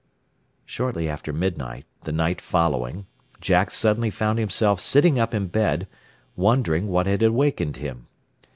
Shortly after midnight the night following Jack suddenly found himself sitting up in bed, wondering what had awakened him.